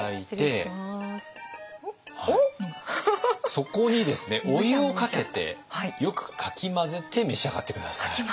そこにですねお湯をかけてよくかき混ぜて召し上がって下さい。